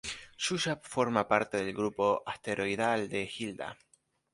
Shuya forma parte del grupo asteroidal de Hilda.